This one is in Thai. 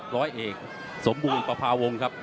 ร้อยเอกสมบูรณ์ประพาวงศ์ครับ